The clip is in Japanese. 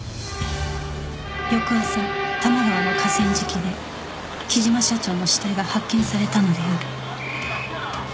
翌朝多摩川の河川敷で貴島社長の死体が発見されたのである